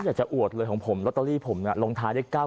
อยากจะอวดเลยของผมลัตตอรี่ล่องท้ายได้๙๙๒